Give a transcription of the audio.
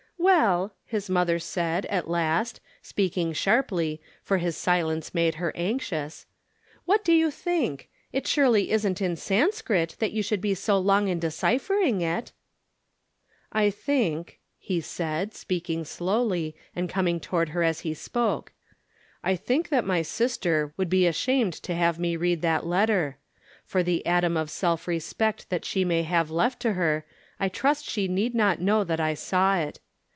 " Well," his mother said, at last, speaking sharply, for ^is silence made her anxious. " What 248 From Different Standpoints. do you tHnk ? It surely .isn't in Sanscrit, that you should be so long in deciphering it !" "I think," he said, speaking slowly, and com , ing toward her as he spoke. " I think that my sister would be ashamed to have me read that' letter. For the atom of self respect that she may have left to her, I trust she need not Icnow that I saw it.